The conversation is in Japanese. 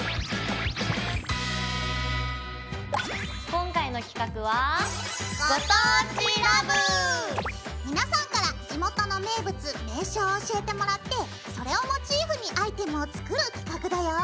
今回の企画は皆さんから地元の名物名所を教えてもらってそれをモチーフにアイテムを作る企画だよ。